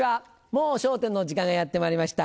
『もう笑点』の時間がやってまいりました。